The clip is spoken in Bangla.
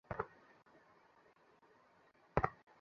যাঁহারা ভগবানকে ভালবাসেন, তাঁহারা কখনই তাঁহাকে ভয় করিবেন না।